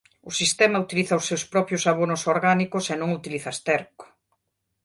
O sistema utiliza os seus propios abonos orgánicos e non utiliza esterco.